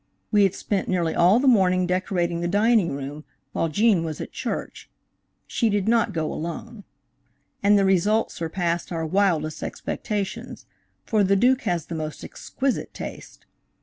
We had spent nearly all the morning decorating the dining room while Gene was at church. (She did not go alone.) And the result surpassed our wildest expectations, for the Duke has the most exquisite taste.